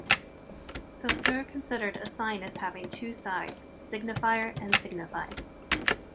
Saussure considered a sign as having two sides, "signifier" and "signified".